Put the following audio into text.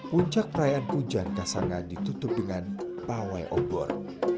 puncak rayaan pujian kesangai ditutup dengan pawai obor